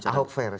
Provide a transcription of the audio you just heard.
siapa yang bicara